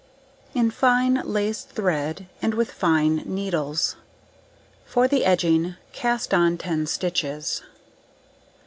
In fine lace thread and with fine needles. For the edging: cast on 10 stitches.